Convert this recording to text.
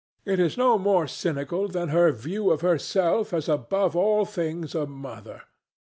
It is no more cynical than her view of herself as above all things a Mother.